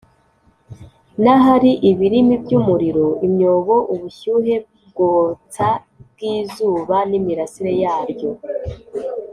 n’ahari ibirimi by’umuriro, imyobo, ubushyuhe bwotsa bw’izuba n’imirase yaryo